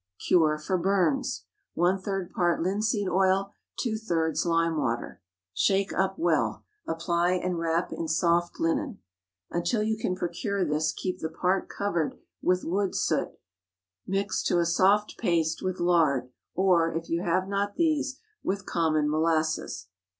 CURE FOR BURNS. One third part linseed oil. Two thirds lime water. Shake up well; apply and wrap in soft linen. Until you can procure this keep the part covered with wood soot mixed to a soft paste with lard, or, if you have not these, with common molasses.